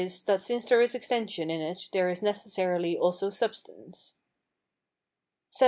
that since there is extension in it there is necessarily also substance. XVII.